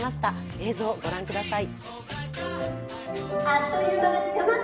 映像をご覧ください。